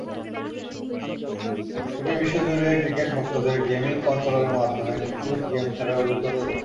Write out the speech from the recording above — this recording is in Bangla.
এটি বিশ্বজুড়ে ক্রিকেট-ভক্তদের গেমিং কনসোলের মাধ্যমে নিখুঁত গেম খেলার অভিজ্ঞতা দেবে।